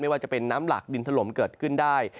ว่าจะเป็นน้ำหลักดินถล่มเกิดขึ้นได้